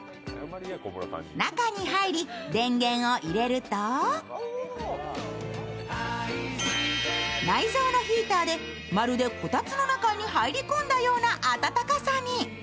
中に入り、電源を入れると内蔵のヒーターでまるでこたつの中に入り込んだような暖かさに。